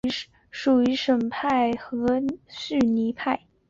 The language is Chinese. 伊拉克的穆斯林属于什叶派和逊尼派。